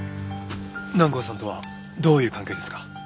南郷さんとはどういう関係ですか？